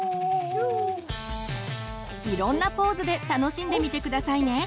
いろんなポーズで楽しんでみて下さいね。